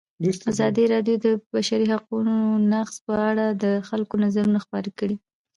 ازادي راډیو د د بشري حقونو نقض په اړه د خلکو نظرونه خپاره کړي.